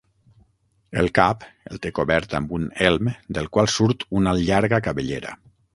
El cap el té cobert amb un elm del qual surt una llarga cabellera.